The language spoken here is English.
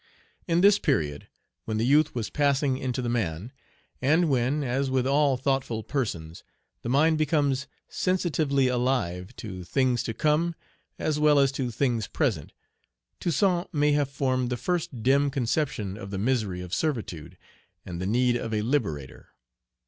In this period, when the youth was passing into the man, and when, as with all thoughtful persons, the mind becomes sensitively alive to things to come as well as to things present, Toussaint may have formed the first dim conception of the misery of servitude, and the need of a liberator.